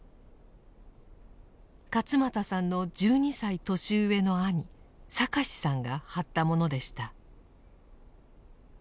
勝又さんの１２歳年上の兄哲さんが貼ったものでした。